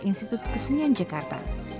institut kesenian jakarta